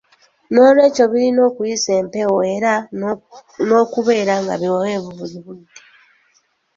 N'olwekyo birina okuyisa empewo era n'okubeera nga biweweevu buli budde.